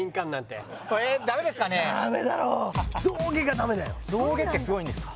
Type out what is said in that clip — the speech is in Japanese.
ダメだろ象牙ってすごいんですか？